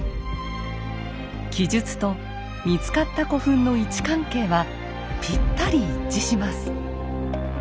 記述と見つかった古墳の位置関係はぴったり一致します。